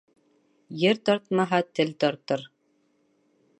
Ер тартмаһа, тел тартыр.